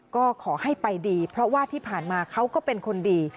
ก็ขอให้ไปดีเพราะว่าที่ผ่านมาเขาก็เป็นคนดี